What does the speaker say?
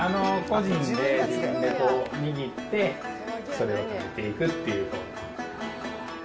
個人で自分で握って、それを食べていくっていう。